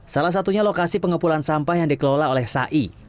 salah satunya lokasi pengepulan sampah yang dikelola oleh sai